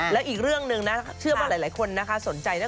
และอีกเรื่องหนึ่งนะเชื่อว่าหลายคนนะคะสนใจนะ